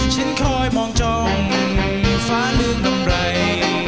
ฉันคอยมองจ้องฟ้าเมืองกำไร